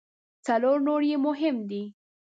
څلور نور یې مهم دي.